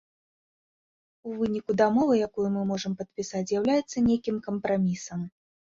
У выніку дамова, якую мы можам падпісаць, з'яўляецца нейкім кампрамісам.